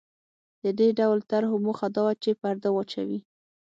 د دې ډول طرحو موخه دا وه چې پرده واچوي.